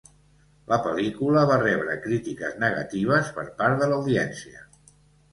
La pel·lícula va rebre crítiques negatives per part de l'audiència.